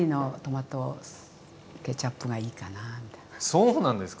そうなんですか？